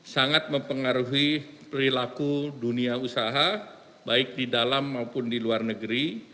sangat mempengaruhi perilaku dunia usaha baik di dalam maupun di luar negeri